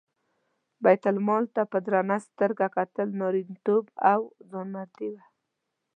بیت المال ته په درنه سترګه کتل نارینتوب او ځوانمردي وه.